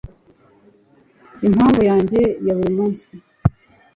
impamvu yanjye ya buri munsi